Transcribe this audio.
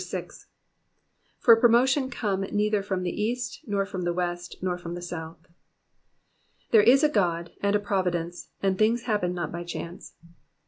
For promotion cometh neither from the easty nor from the toest^ nor from the south.'*'* There is a God, and a providence, and things happen not by chance.